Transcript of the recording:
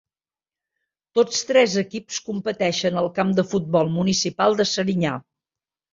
Tots tres equips competeixen al camp de futbol municipal de Serinyà.